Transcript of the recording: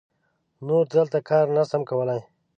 نور دلته کار نه سم کولای.